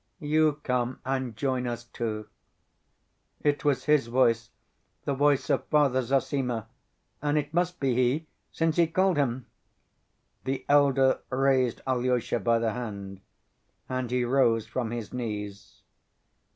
You come and join us too." It was his voice, the voice of Father Zossima. And it must be he, since he called him! The elder raised Alyosha by the hand and he rose from his knees.